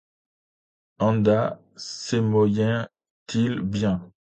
Endà, s’aymoyent-ils bien!